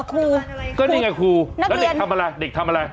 ก็นี่ไงครูแล้วเด็กทำอะไร